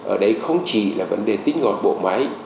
ở đấy không chỉ là vấn đề tính ngọt bộ máy